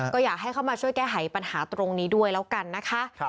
ก็อยากให้เข้ามาช่วยแก้ไขปัญหาตรงนี้ด้วยแล้วกันนะคะ